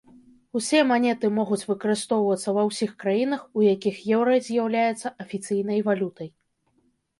Усе манеты могуць выкарыстоўвацца ва ўсіх краінах, у якіх еўра з'яўляецца афіцыйнай валютай.